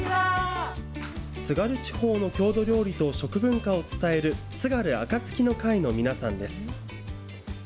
津軽地方の郷土料理と食文化を伝える、津軽あかつきの会の皆さんです。